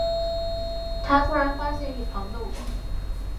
他突然发现一旁的我